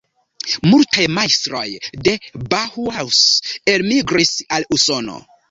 Multaj majstroj de "Bauhaus" elmigris al Usono.